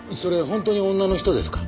本当に女の人ですか？